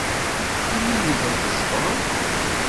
Anida tzedɣeḍ?